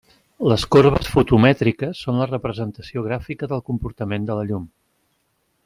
Les corbes fotomètriques són la representació gràfica del comportament de la llum.